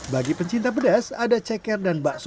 bagi pencinta pedas ada ceker dan bakso goreng